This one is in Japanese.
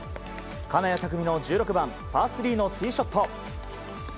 金谷拓実の１６番、パー３のティーショット。